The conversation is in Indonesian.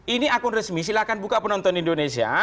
ini akun resmi silahkan buka penonton indonesia